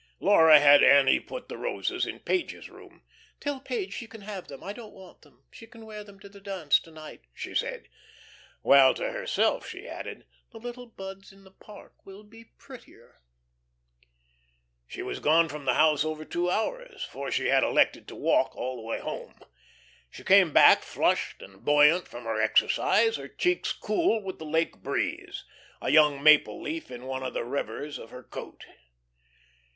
Laura had Annie put the roses in Page's room. "Tell Page she can have them; I don't want them. She can wear them to her dance to night," she said. While to herself she added: "The little buds in the park will be prettier." She was gone from the house over two hours, for she had elected to walk all the way home. She came back flushed and buoyant from her exercise, her cheeks cool with the Lake breeze, a young maple leaf in one of the revers of her coat.